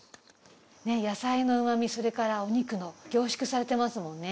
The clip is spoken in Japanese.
野菜の旨みそれからお肉の凝縮されてますもんね。